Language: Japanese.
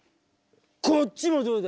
こっちもどうだ？